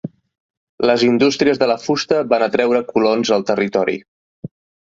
Les indústries de la fusta van atreure colons al territori.